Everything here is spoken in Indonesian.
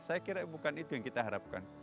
saya kira bukan itu yang kita harapkan